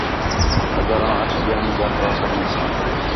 اگر آں اچ ڳیا ہیں ٻیال تَونسا مِلساں